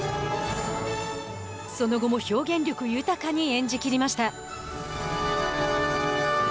その後も表現力豊かに演じきりました。